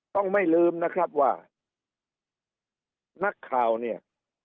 ไม่ลืมนะครับว่านักข่าวเนี่ย